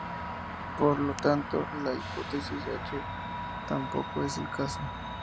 Por lo tanto, la hipótesis H tampoco es el caso.